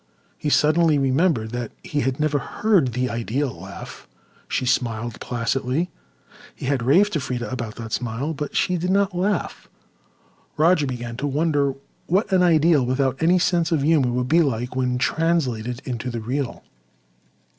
He suddenly remembered that he had never heard the Ideal laugh. She smiled placidly—he had raved to Freda about that smile—but she did not laugh. Roger began to wonder what an ideal without any sense of humour would be like when translated into the real.